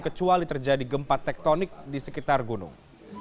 kecuali terjadi gempa tektonik di sekitar gunung